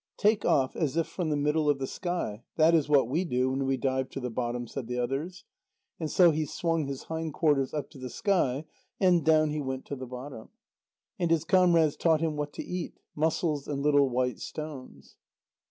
"Take off as if from the middle of the sky; that is what we do when we dive to the bottom," said the others. And so he swung his hindquarters up to the sky, and down he went to the bottom. And his comrades taught him what to eat; mussels and little white stones.